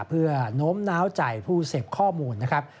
เพื่อโน้มน้าวใจผู้เสพข้อมูลนะครับ